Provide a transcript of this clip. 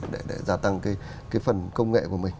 để giả tăng cái phần công nghệ của mình